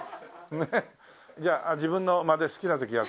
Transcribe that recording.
じゃあ自分の間で好きな時やってください。